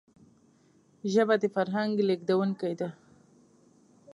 ژبه د فرهنګ لېږدونکی ده